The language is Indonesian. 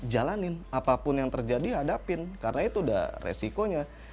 jalanin apapun yang terjadi hadapin karena itu udah resikonya